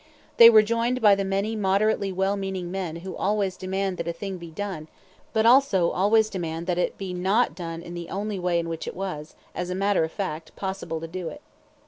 They were joined by the many moderately well meaning men who always demand that a thing be done, but also always demand that it be not done in the only way in which it is, as a matter of fact, possible to do it.